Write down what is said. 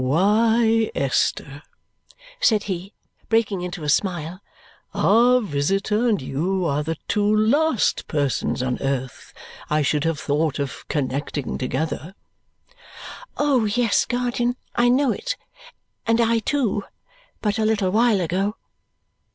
"Why, Esther," said he, breaking into a smile, "our visitor and you are the two last persons on earth I should have thought of connecting together!" "Oh, yes, guardian, I know it. And I too, but a little while ago."